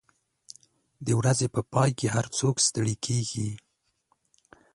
د ورځې په پای کې هر څوک ستړي کېږي.